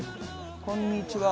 こんにちは。